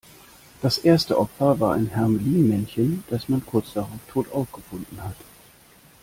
Das erste Opfer war ein Hermelin-Männchen, das man kurz drauf tot aufgefunden hat.